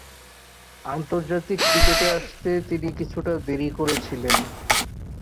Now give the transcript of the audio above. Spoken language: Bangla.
আন্তর্জাতিক ক্রিকেটে আসতে তিনি কিছুটা দেরি করেছিলেন।